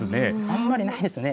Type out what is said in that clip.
あんまりないですよね。